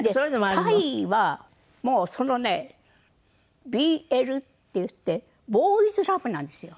タイはもうそのねＢＬっていってボーイズラブなんですよ。